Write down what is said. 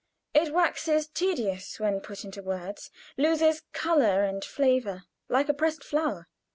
It waxes tedious when put into words loses color and flavor, like a pressed flower.